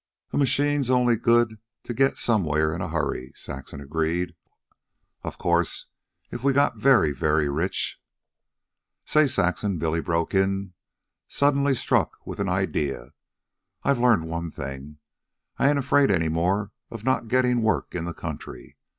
"A machine's only good to get somewhere in a hurry," Saxon agreed. "Of course, if we got very, very rich " "Say, Saxon," Billy broke in, suddenly struck with an idea. "I've learned one thing. I ain't afraid any more of not gettin' work in the country.